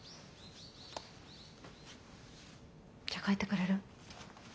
じゃあ帰ってくれる？